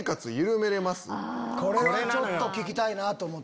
これはちょっと聞きたいなと思って。